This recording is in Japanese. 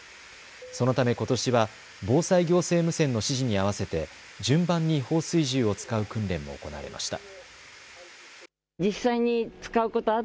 そのため、ことしは防災行政無線の指示に合わせて順番に放水銃を使う訓練も行われました。